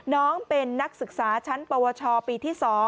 น้องเป็นนักศึกษาชั้นปวชปีที่๒